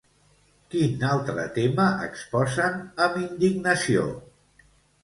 Quin altre tema exposen amb indignació?